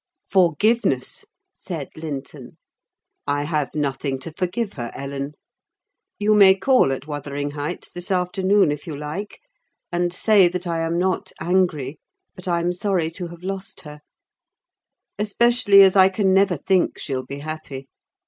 "Forgiveness!" said Linton. "I have nothing to forgive her, Ellen. You may call at Wuthering Heights this afternoon, if you like, and say that I am not angry, but I'm sorry to have lost her; especially as I can never think she'll be happy.